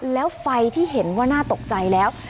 แล้วไฟที่เห็นว่าน่าตกใจแล้ว